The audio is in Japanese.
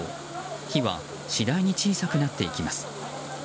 火は次第に小さくなっていきます。